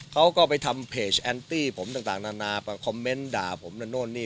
เขาก็ไปทำเพจแอนตี้ผมต่างนานาไปคอมเมนต์ด่าผมนั่นโน่นนี่